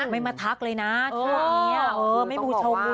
ไม่มาทักเลยนะไม่ผู้ชมรู้ชาเลยนะ